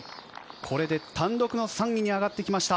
これで単独の３位に上がってきました。